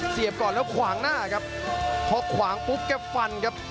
ก่อนแล้วขวางหน้าครับพอขวางปุ๊บแกฟันครับ